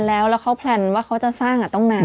แล้วเขาแพลนว่าเขาจะสร้างต้องนาน